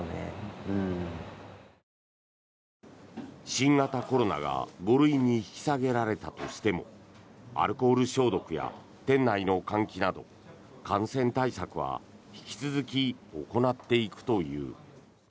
新型コロナが５類に引き下げられたとしてもアルコール消毒や店内の換気など感染対策は引き続き行っていくという。